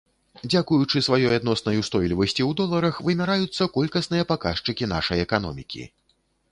Дзякуючы сваёй адноснай устойлівасці ў доларах вымяраюцца колькасныя паказчыкі нашай эканомікі.